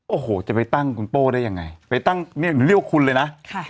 โอ้โหจะไปตั้งคุณโป้ได้ยังไงไปตั้งเรียกว่าคุณเลยนะ